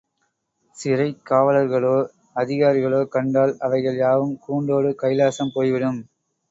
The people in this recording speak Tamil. சிறைக்காவலர்களோ அதிகாரிகளோ கண்டால் அவைகள் யாவும் கூண்டோடு கைலாசம் போய்விடும்!